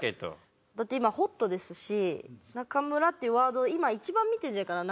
だって今ホットですし「中村」っていうワード今一番見てるんじゃないかな？